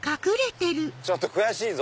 ちょっと悔しいぞ。